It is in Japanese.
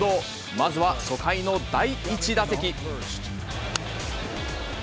まずは初回の第１打席。